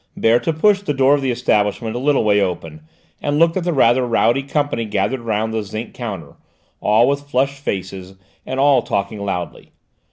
Berthe pushed the door of this establishment a little way open and looked at the rather rowdy company gathered round the zinc counter, all with flushed faces and all talking loudly.